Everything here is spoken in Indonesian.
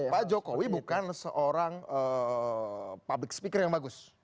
pak jokowi bukan seorang public speaker yang bagus